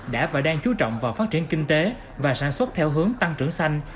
đã và đang chú trọng vào phát triển kinh tế và sản xuất theo hướng tăng trưởng xanh